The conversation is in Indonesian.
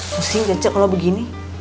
susi aja ce kalau begini